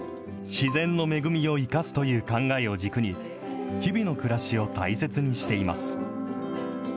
自然の恵みを生かすという考えを軸に、日々の暮らしを大切にしています。